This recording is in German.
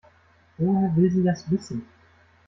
Woher will sie das wissen?